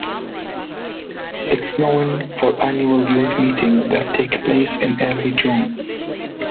It is known for annual youth meetings that take place in early June.